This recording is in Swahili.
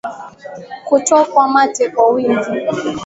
Kutokwa mate kwa wingi